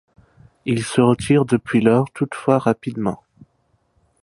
Il se retire depuis lors toutefois rapidement.